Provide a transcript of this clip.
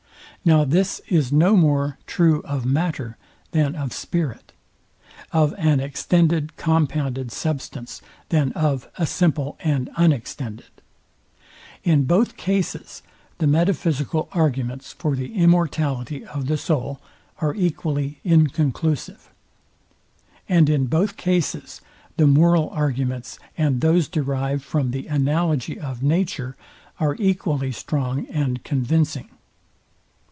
Now this is no more true of matter, than of spirit; of an extended compounded substance, than of a simple and unextended. In both cases the metaphysical arguments for the immortality of the soul are equally inconclusive: and in both cases the moral arguments and those derived from the analogy of nature are equally strong and convincing.